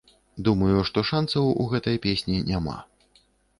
Думаю, што шанцаў у гэтай песні няма.